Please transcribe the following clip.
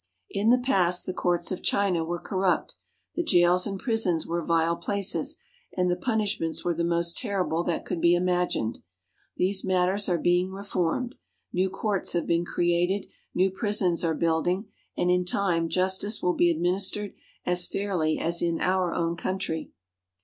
In the past, the courts of China were corrupt, the jails and prisons were vile places, and the punishments were the most terrible that could be imagined. These matters are being reformed. New courts have been created, new prisons are building, and in time justice will be administered as fairly as in our own country.